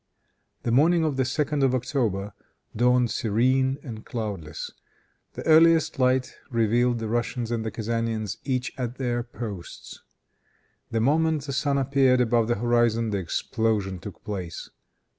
The morning of the 2d of October dawned serene and cloudless. The earliest light revealed the Russians and the Kezanians each at their posts. The moment the sun appeared above the horizon the explosion took place.